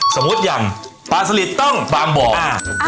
สมมุติอย่างปั้นสลิทต้องตามบอก